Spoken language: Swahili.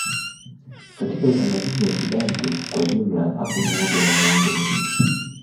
Katika utamaduni wa Kibantu kwa jumla hakuna wazo la miungu mingi.